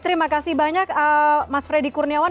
terima kasih banyak mas freddy kurniawan